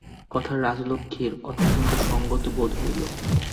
কথাটা রাজলক্ষ্মীর অত্যন্ত সংগত বোধ হইল।